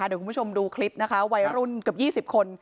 เดี๋ยวคุณผู้ชมดูคลิปนะคะวัยรุ่นกับยี่สิบคน